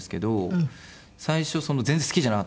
最初全然好きじゃなかったんですよ。